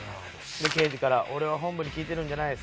で刑事から「俺は本部に聞いてるんじゃないんです」